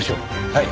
はい。